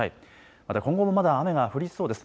また今後もまだ雨が降りそうです。